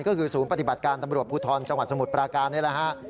ก็คือศูนย์ปฏิบัติการตำรวจภูทรจังหวัดสมุทรปราการนี่แหละฮะ